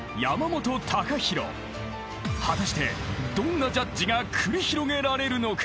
［果たしてどんなジャッジが繰り広げられるのか？］